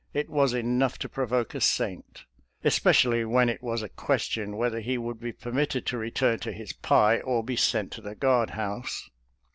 It was enough to provoke a saint — especially when it was a question whether he would be permitted to return to his pie, or be sent to the guard house.